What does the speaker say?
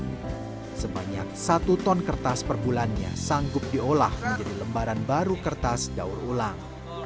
namun sebanyak satu ton kertas per bulannya sanggup diolah menjadi lembaran baru kertas daur ulang